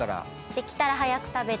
できたら早く食べて。